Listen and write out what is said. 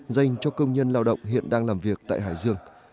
dành cho công nhân lao động hiện đang làm việc tại hải dương